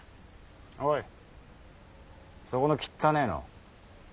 おいそこのきったねえの。